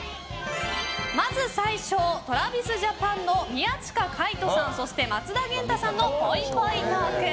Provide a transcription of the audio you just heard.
まず最初ＴｒａｖｉｓＪａｐａｎの宮近海斗さん、松田元太さんのぽいぽいトーク。